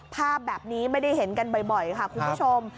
ภาพแบบนี้ไม่ได้เห็นกันบ่อยค่ะคุณผู้ชม